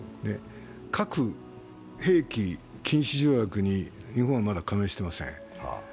核兵器禁止条約に日本はまだ加盟していません。